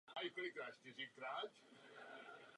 Byl to poslední vůz značky Moskvič.